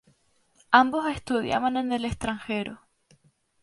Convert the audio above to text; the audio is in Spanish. Ambos estudiaban en el extranjero.